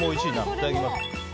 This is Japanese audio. いただきます。